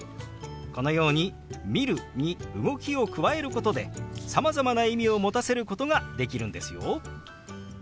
このように「見る」に動きを加えることでさまざまな意味を持たせることができるんですよ。